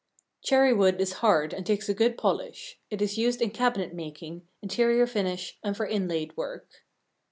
Cherry wood is hard and takes a good polish. It is used in cabinet making, interior finish and for inlaid work.